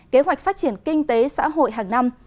kế hoạch phát triển kinh tế xã hội hàng năm